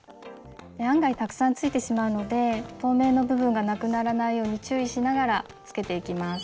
案外たくさんついてしまうので透明の部分がなくならないように注意しながらつけていきます。